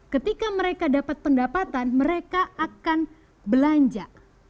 ketika mereka dapat pendapatan mereka akan belanja